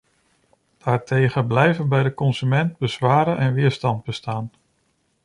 Daartegen blijven bij de consument bezwaren en weerstanden bestaan.